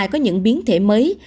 có những biến thể mới